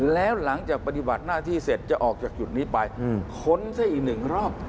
แล้วหลังจากปฏิบัติหน้าที่เสร็จจะออกจากจุดนี้ไปค้นซะอีกหนึ่งรอบ